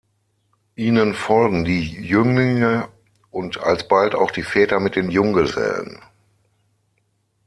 Ihnen folgen die Jünglinge und alsbald auch die Väter mit den Junggesellen.